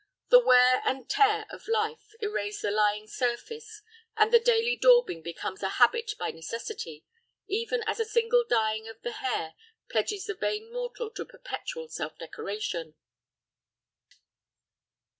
The wear and tear of life erase the lying surface, and the daily daubing becomes a habit by necessity, even as a single dying of the hair pledges the vain mortal to perpetual self decoration.